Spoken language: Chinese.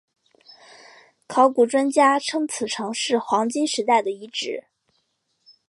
考古专家称此城是黄帝时代的遗址。